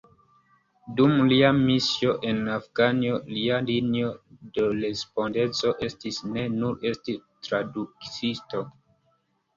Dum lia misio en Afganio lia linio de respondeco estis ne nur esti tradukisto.